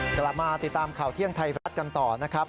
กลับมาติดตามข่าวเที่ยงไทยรัฐกันต่อนะครับ